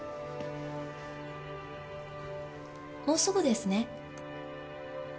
もうすぐですね